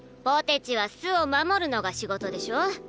ポテチは巣を守るのが仕事でしょ。